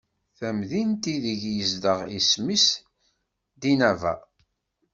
Tamdint ideg izdeɣ isem-is Dinaba.